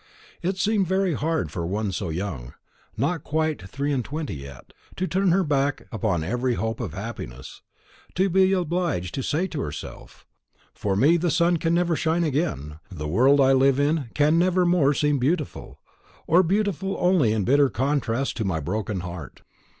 It seemed very hard for one so young, not quite three and twenty yet, to turn her back upon every hope of happiness, to be obliged to say to herself, "For me the sun can never shine again, the world I live in can never more seem beautiful, or beautiful only in bitter contrast to my broken heart."